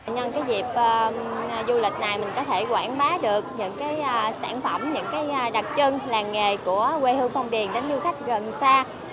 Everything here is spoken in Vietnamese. nhân cái dịp du lịch này mình có thể quảng bá được những sản phẩm những đặc trưng làng nghề của quê hương phong điền đến du khách gần xa